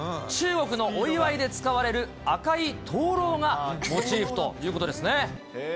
中国のお祝いで使われる赤い灯籠がモチーフということですね。